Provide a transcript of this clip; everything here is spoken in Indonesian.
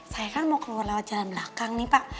saya kan mau keluar lewat jalan belakang nih pak